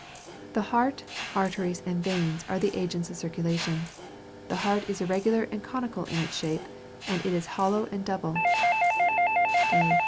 The heart, arteries, and veins are the agents of circulation. The heart is irregular and conical in its shape; and it is hollow and double.